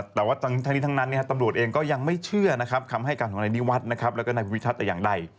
แต่ว่าทั้งนี้ทั้งนั้นตำรวจเองก็ยังไม่เชื่อคำให้กันของในนิวัฒน์และในบิวิทัศน์อย่างใด